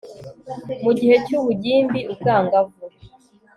mu gihe cyu bugimbi ubwangavu